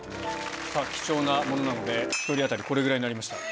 貴重なものなので１人当たりこれぐらいになりました。